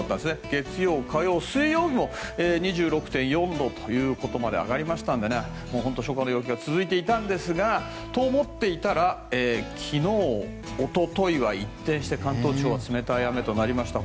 月曜、火曜、水曜も２６．４度まで上がりましたので初夏の陽気が続いていたんですがと思っていたら昨日、一昨日は一転して関東地方は冷たい雨となりました。